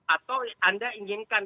atau anda inginkan